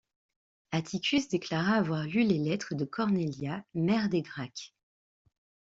Atticus déclara avoir lu les lettres de Cornelia, mère des Gracques.